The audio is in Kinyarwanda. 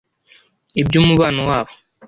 Iby’umubano wabo